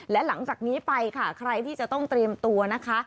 และหลังจากนี้ไปค่ะใครที่จะต้องเตรียมตัวนะคะ